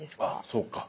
そうか。